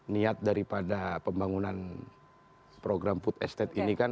niat daripada pembangunan program food estate ini kan